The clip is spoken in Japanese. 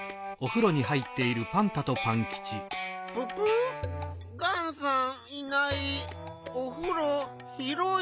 ププガンさんいないおふろひろい。